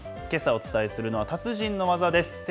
けさお伝えするのは、達人の技です。